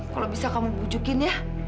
kalau bisa kamu bujukin ya